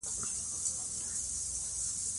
زما پلار په پکتیکا کې وفات شو او زه یتیم شوم.